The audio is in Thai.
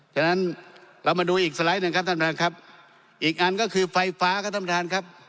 ฉะนั้นเรามาดูอีกสไลด์หนึ่งครับท่านประธานครับอีกอันก็คือไฟฟ้าครับท่านประธานครับ